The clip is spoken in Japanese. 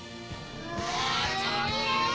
うわ！